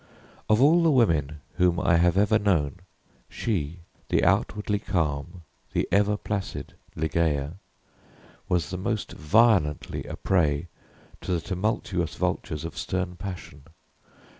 Of all the women whom I have ever known, she, the outwardly calm, the ever placid Ligeia, was the most violently a prey to the tumultuous vultures of stern passion.